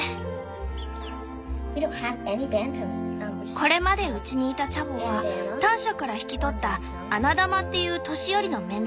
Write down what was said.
これまでうちにいたチャボはターシャから引き取った「アナダマ」っていう年寄りの雌鶏だけ。